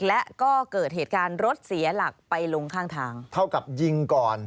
และก็เกิดเหตุการณ์รถเสียหลักไปลงข้างทาง